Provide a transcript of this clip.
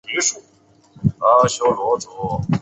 该年也增设魁星神像。